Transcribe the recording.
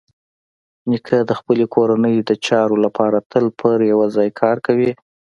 نیکه د خپلې کورنۍ د چارو لپاره تل په یوه ځای کار کوي.